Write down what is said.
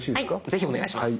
ぜひお願いします。